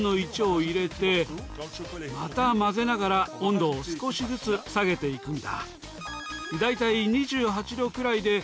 また混ぜながら温度を少しずつ下げて行くんだ。